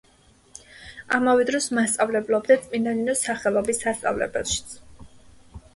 ამავე დროს მასწავლებლობდა წმინდა ნინოს სახელობის სასწავლებელშიც.